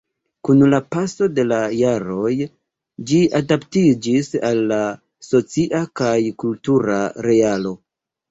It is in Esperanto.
Kun la paso de la jaroj ĝi adaptiĝis al la socia kaj kultura realo.